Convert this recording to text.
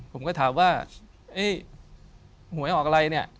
ผมก็ถามว่าหวยออกอะไรเนี่ย